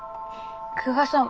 久我さん